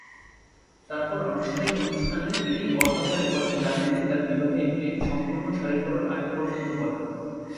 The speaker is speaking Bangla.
তারপর আনুষ্ঠানিক অনুষ্ঠানে তিনি অর্ধ-শাড়ি পরেন যা তিনি তার বিবাহে একটি সম্পূর্ণ শাড়ি পরার আগে পর্যন্ত পরেন।